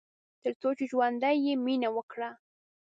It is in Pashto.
تر څو چې ژوندی يې ، مينه وکړه